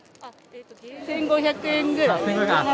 １５００円ぐらい。